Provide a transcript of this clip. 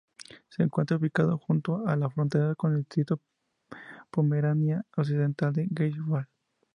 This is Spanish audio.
Se encuentra ubicado junto a la frontera con el distrito de Pomerania Occidental-Greifswald.